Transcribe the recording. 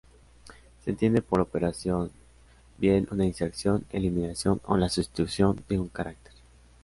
Se entiende por operación, bien una inserción, eliminación o la sustitución de un carácter.